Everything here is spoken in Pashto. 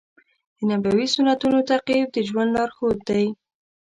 د نبوي سنتونو تعقیب د ژوند لارښود دی.